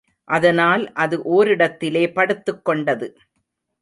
அதனால் அது ஓரிடத்திலே படுத்துக்கொண்டது.